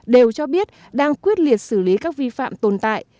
đều cho biết đang quyết liệt xử lý các vi phạm tồn tại